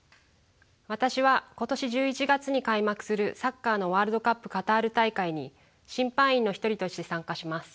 私は今年１１月に開幕するサッカーのワールドカップカタール大会に審判員の一人として参加します。